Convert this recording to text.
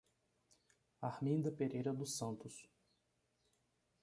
Arminda Pereira dos Santos